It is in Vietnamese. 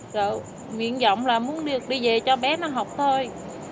rồi miệng giọng là muốn đi về cho bé nó học thôi